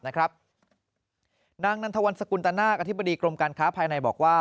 นางนันทวันสกุลตนาคอธิบดีกรมการค้าภายในบอกว่า